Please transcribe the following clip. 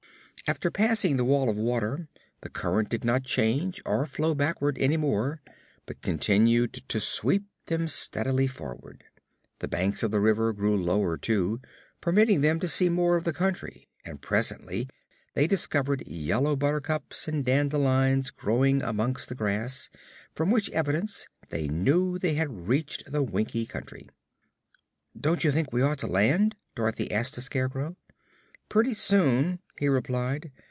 After passing the wall of water the current did not change or flow backward any more but continued to sweep them steadily forward. The banks of the river grew lower, too, permitting them to see more of the country, and presently they discovered yellow buttercups and dandelions growing amongst the grass, from which evidence they knew they had reached the Winkie Country. "Don't you think we ought to land?" Dorothy asked the Scarecrow. "Pretty soon," he replied.